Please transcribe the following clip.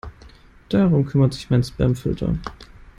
Darum kümmert sich mein Spamfilter.